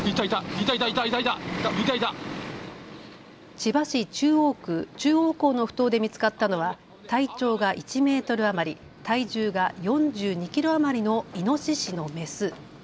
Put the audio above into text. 千葉市中央区中央港のふ頭で見つかったのは体長が１メートル余り、体重が４２キロ余りのイノシシのメス。